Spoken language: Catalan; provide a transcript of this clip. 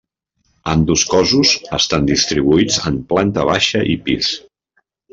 Ambdós cossos estan distribuïts en planta baixa i pis.